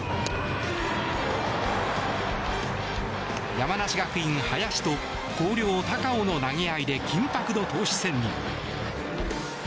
山梨学院、林と広陵、高尾の投げ合いで緊迫の投手戦に。